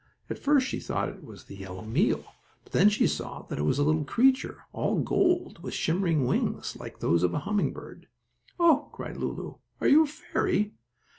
At first she thought it was the yellow meal, but then she saw that it was a little creature, all gold, with shimmering wings, like those of a humming bird. "Oh!" cried Lulu, "are you a fairy?"